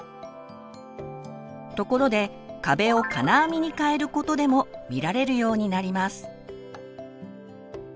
ところで壁を金網に変えることでも見られるようになります。